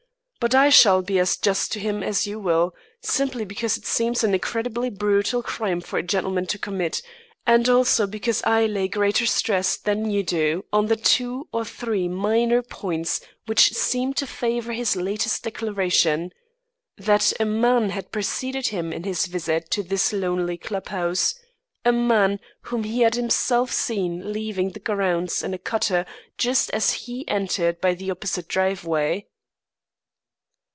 But I shall be as just to him as you will, simply because it seems an incredibly brutal crime for a gentleman to commit, and also because I lay greater stress than you do on the two or three minor points which seem to favour his latest declaration, that a man had preceded him in his visit to this lonely club house, a man whom he had himself seen leaving the grounds in a cutter just as he entered by the opposite driveway."